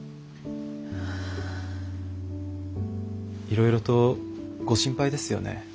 いろいろとご心配ですよね。